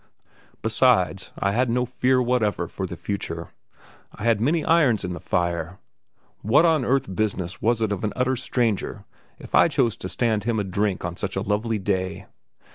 Besides, I had no fear whatever for the future. I had many irons in the fire. What on earth business was it of an utter stranger if I chose to stand him a drink on such a lovely day?